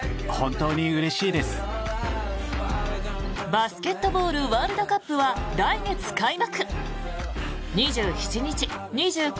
バスケットボールワールドカップは来月開幕。